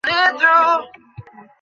দুইদিন হইসে, ঔষধ কিনার টাকাও নাই।